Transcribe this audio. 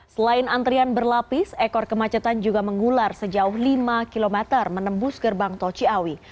selain antrian berlapis ekor kemacetan juga mengular sejauh lima km menembus gerbang tol ciawi